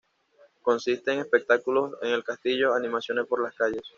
Consiste en espectáculos en el castillo, animaciones por las calles.